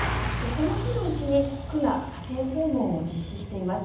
その日のうちに区が家庭訪問を実施しています。